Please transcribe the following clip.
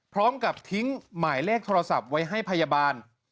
พร้อมกับทิ้งหมายเลขโทรศัพท์ไว้ให้พยาบาล